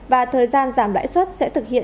và thời gian giảm lãi suất sẽ thực hiện